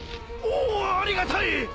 おおありがたい！